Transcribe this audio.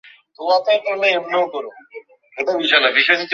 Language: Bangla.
পুলিশের পক্ষ থেকে বলা হয়েছে, মনোজ শর্মাকে তাদের কাছে মানসিকভাবে অসুস্থ মনে হয়েছে।